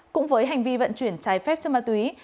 cũng với hành vi vận chuyển trái phép cho ma túy